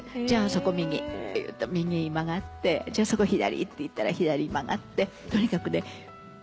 「じゃあそこ右」って言うと右に曲がって「じゃあそこ左」って言ったら左曲がってとにかくね